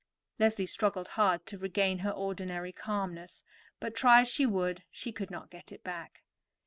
Leslie struggled hard to regain her ordinary calmness; but, try as she would, she could not get it back.